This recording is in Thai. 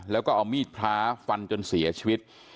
แล้วก็เอามีดพระฟันจนเสียชีวิต